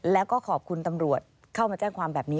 แล้วก็ขอบคุณตำรวจเข้ามาแจ้งความแบบนี้